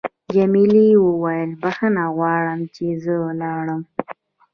جميلې وويل: بخښنه غواړم چې زه لاړم.